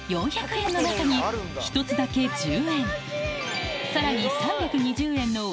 さらにの中に１つだけ１０円